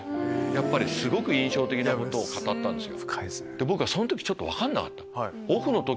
やっぱりすごく印象的なことを語ったんですよ。